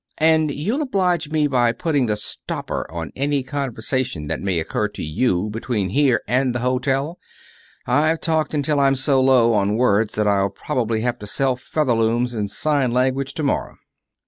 And you'll oblige me by putting the stopper on any conversation that may occur to you between here and the hotel. I've talked until I'm so low on words that I'll probably have to sell featherlooms in sign language to morrow."